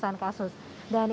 dan ini tentu saja